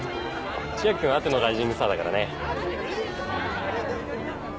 千秋君あってのライジングスターだからね。